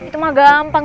itu mah gampang